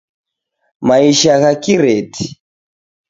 Maisha gha kireti